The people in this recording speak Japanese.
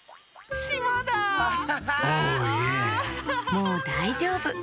もうだいじょうぶ。